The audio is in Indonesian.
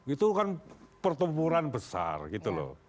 itu kan pertempuran besar gitu loh